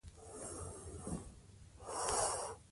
انګریزي افسر خولۍ ایسته کړې ده.